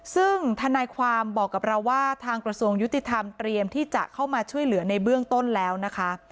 ซึ่งธนายความบอกกับเราว่าทางกระทรวงยุติธรรมเตรียมที่จะเข้ามาช่วยเหลือในเบื้องต้นแล้วนะคะ